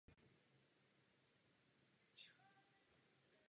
Z toho vznikla pověst o jejich přátelství a dokonce falešná korespondence mezi nimi.